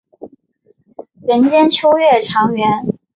人间秋月长圆。